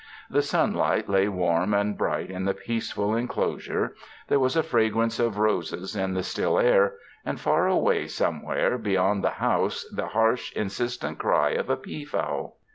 The sunlight lay warm and bright in the peaceful en closure; there was a fragrance of roses in the still air, and far away somewhere beyond the house the harsh, insistent cry of a pea fowl.